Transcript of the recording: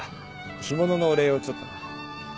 干物のお礼をちょっとな。